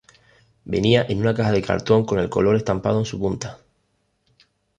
Venía en una caja de cartón con el color estampado en su punta.